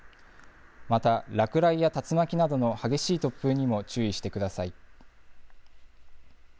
また、落雷や竜巻などの激しい突風にも注意してください。